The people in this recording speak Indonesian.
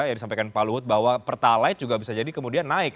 yang disampaikan pak luhut bahwa pertalite juga bisa jadi kemudian naik